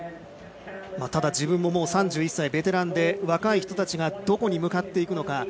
ただ自分も３１歳、ベテランで若い人たちがどこに向かっていくのか。